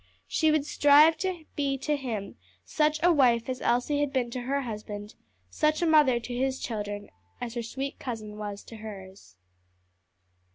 She would strive to be to him such a wife as Elsie had been to her husband, such a mother to his children as her sweet cousin was to hers.